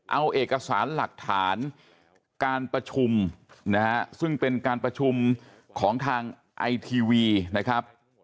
เอาเอกสารหลักฐานการประชุมนะฮะซึ่งเป็นการประชุมของทางไอทีวีนะครับ